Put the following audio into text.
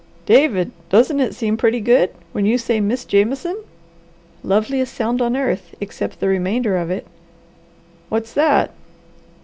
"David, doesn't it seem pretty good, when you say 'Miss Jameson'?" "Loveliest sound on earth, except the remainder of it." "What's that?"